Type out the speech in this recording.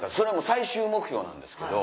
最終目標なんですけど。